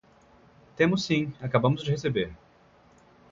Temos sim, acabamos de receber.